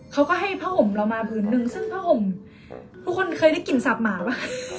เขาก็ให้ผ้าห่มเรามาผืนนึงซึ่งผ้าห่มทุกคนเคยได้กลิ่นสาบหมาป่ะ